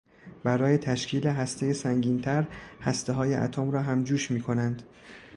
برای تشکیل هستهی سنگینتر هستههای اتم را همجوش میکنند.